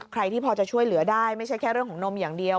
ใครที่พอจะช่วยเหลือได้ไม่ใช่แค่เรื่องของนมอย่างเดียว